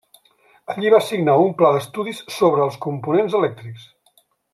Allí va signar un pla d'estudis sobre els components elèctrics.